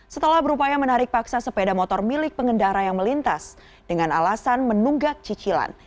setelah berupaya menarik paksa sepeda motor milik pengendara yang melintas dengan alasan menunggak cicilan